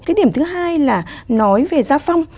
cái điểm thứ hai là nói về gia phong